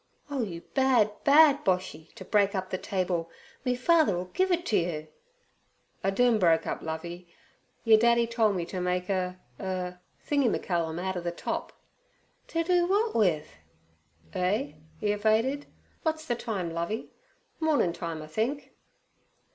'Oh, you bad, bad Boshy, t' break up the table! Me father 'll give it to you!' 'Iden broke up, Lovey. Yer daddy tole me ter make er—er—thingy me callum outer ther top.' 'To do w'at with?' 'Eh?' he evaded. 'Wot's ther time, Lovey? Mornin' time, I think.'